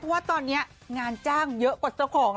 ว่าตอนนี้งานจ้างเยอะกว่าเจ้าของ